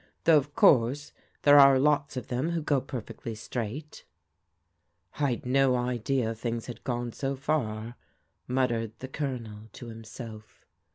Tfiough, of course, there are lots of them who go perfectly straight" "I'd no idea things had gone so far/' muttered the Colonel to himself.